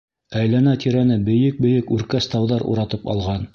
Әйләнә-тирәне бейек-бейек үркәс тауҙар уратып алған.